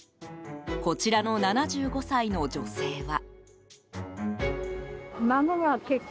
こちらの７５歳の女性は。